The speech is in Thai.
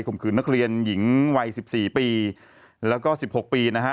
มขืนนักเรียนหญิงวัย๑๔ปีแล้วก็๑๖ปีนะฮะ